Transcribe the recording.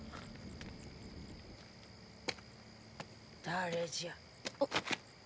・誰じゃ？